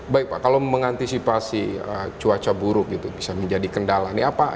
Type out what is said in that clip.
baik pak kalau mengantisipasi cuaca buruk bisa menjadi kendala